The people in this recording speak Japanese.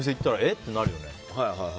ってなるよね。